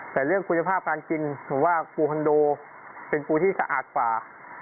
แต่เรื่องคุณภาพการกินผมว่าปูคอนโดเป็นปูที่สะอาดกว่า